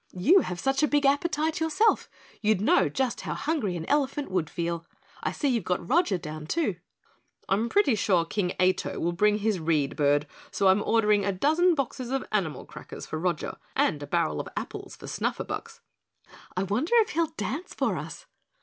"You have such a big appetite yourself, you'd know just how hungry an elephant would feel. I see you've got Roger down, too." "I'm pretty sure King Ato will bring his Read Bird, so I'm ordering a dozen boxes of animal crackers for Roger and a barrel of apples for Snufferbux." "I wonder if he'll dance for us."